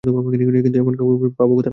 কিন্তু এমন কেউকে পাব কোথায়?